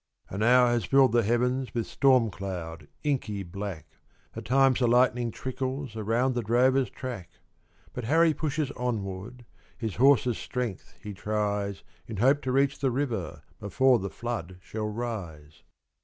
An hour has filled the heavens With storm cloud inky black; At times the lightning trickles Around the drover's track, But Harry pushes onward; His horses' strength he tries In hope to reach the river Before the flood shall rise.